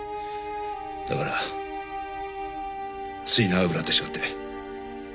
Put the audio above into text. だからつい長くなってしまって。